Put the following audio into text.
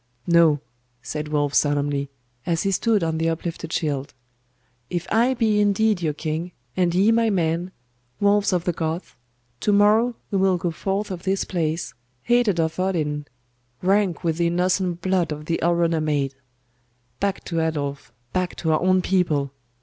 'No!' said Wulf solemnly, as he stood on the uplifted shield. 'If I be indeed your king, and ye my men, wolves of the Goths, to morrow we will go forth of this place, hated of Odin, rank with the innocent blood of the Alruna maid. Back to Adolf; back to our own people!